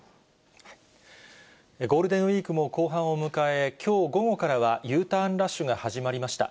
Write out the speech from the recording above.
ゴールデンウィークも後半を迎え、きょう午後からはＵターンラッシュが始まりました。